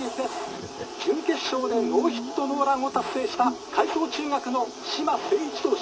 準決勝でノーヒットノーランを達成した海草中学の嶋清一投手。